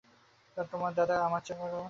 আর তোমার দাদা আমার চেয়ে বড়ো?